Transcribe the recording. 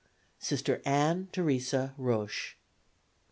Sister Ann Teresa Roche.